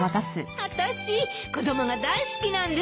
あたし子供が大好きなんです。